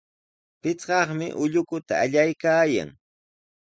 Pichqaqmi ullukuta allaykaayan.